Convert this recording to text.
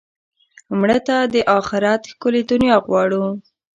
مړه ته د آخرت ښکلې دنیا غواړو